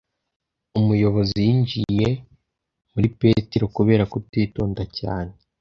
Umuyobozi yinjiye muri Petero kubera kutitonda cyane